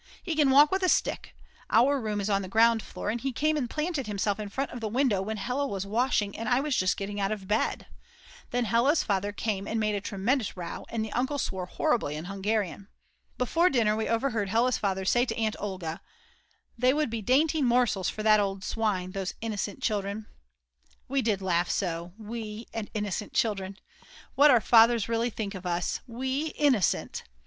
He can walk with a stick, our room is on the ground floor, and he came and planted himself in front of the window when Hella was washing and I was just getting out of bed. Then Hella's father came and made a tremendous row and the uncle swore horribly in Hungarian. Before dinner we overheard Hella's father say to Aunt Olga: "They would be dainty morsels for that old swine, those innocent children." We did laugh so, we and innocent children!!! What our fathers really think of us; we innocent!!!